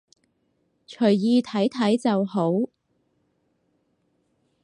隨意睇睇就好